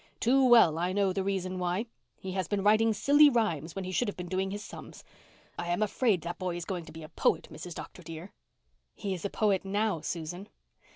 Too well I know the reason why. He has been writing silly rhymes when he should have been doing his sums. I am afraid that boy is going to be a poet, Mrs. Dr. dear." "He is a poet now, Susan."